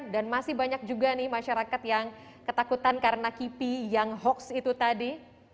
dan masih banyak juga masyarakat yang ketakutan karena kipi yang hoax itu tadi